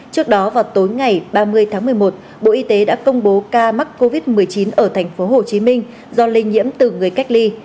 trước đó vào tối ngày ba mươi tháng một mươi một bộ y tế đã công bố ca mắc covid một mươi chín ở thành phố hồ chí minh do lây nhiễm từ người cách ly